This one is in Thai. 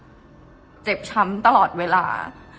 เพราะในตอนนั้นดิวต้องอธิบายให้ทุกคนเข้าใจหัวอกดิวด้วยนะว่า